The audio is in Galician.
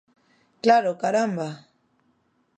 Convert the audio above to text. ¡Claro, caramba!